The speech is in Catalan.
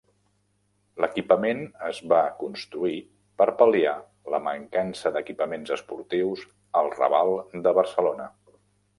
L'equipament es va construir per pal·liar la mancança d'equipaments esportius al Raval de Barcelona.